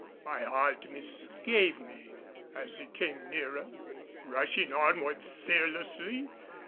My heart misgave me as he came nearer, rushing onward fearlessly.